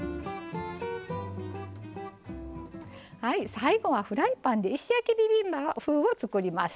最後はフライパンで石焼きビビンバ風を作ります。